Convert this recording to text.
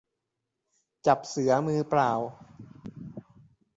จับเสือมือเปล่า